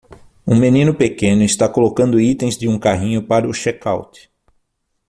Um menino pequeno está colocando itens de um carrinho para o check-out.